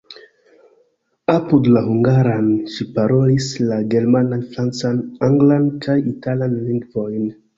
Apud la hungaran ŝi parolis la germanan, francan, anglan kaj italan lingvojn.